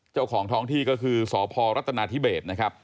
เจ้าของท้องที่ก็คือสพรัฐนาธิเบสนะครับ